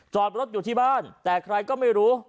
จอดรถอยู่ที่บ้านแต่ใครก็ไม่รู้